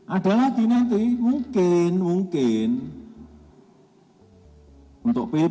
ada lagi nanti mungkin mungkin untuk p press